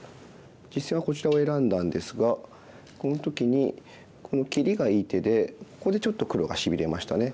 実戦はこちらを選んだんですがこの時にこの切りがいい手でここでちょっと黒がしびれましたね。